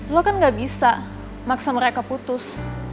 lo kan gak bisa maksa mereka putus